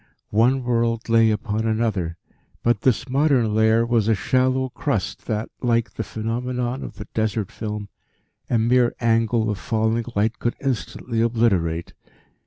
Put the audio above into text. One world lay upon another, but this modern layer was a shallow crust that, like the phenomenon of the "desert film," a mere angle of falling light could instantly obliterate.